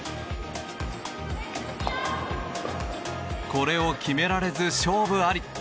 これを決められず、勝負あり。